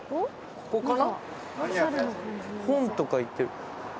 ここかな？